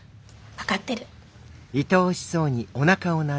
分かってる。